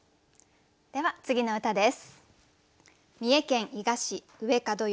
では次の歌です。